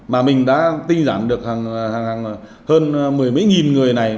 mà mình đã tinh giản được hơn mười mấy nghìn người này